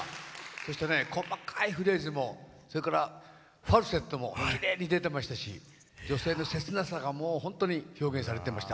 そしてね、細かいフレーズもそれからファルセットもきれいに出てましたし女性の切なさが、本当に表現されてました。